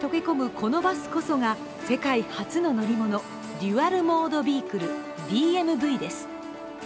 このバスこそが世界初の乗り物、デュアル・モード・ビークル＝ＤＭＶです。